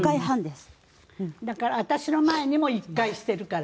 だから私の前にも１回してるから。